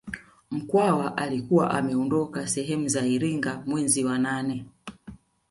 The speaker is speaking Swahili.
Mkwawa alikuwa ameondoka sehemu za Iringa mwezi wa nane